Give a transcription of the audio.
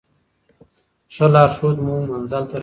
ښه لارښود مو منزل ته رسوي.